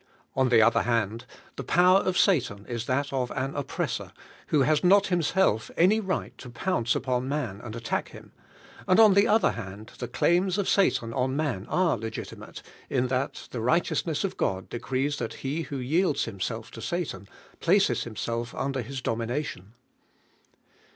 On the other hand, the power nf Satan Is thai of an oppressor, who has not himself any right to ponmo upon man and attack him, and on the other hand the claims of Satan on man are legitimate in thai the righteousness of <:<«l decrees thai he who yields him self to Satan places himself under bis iliiiiitiiil ion.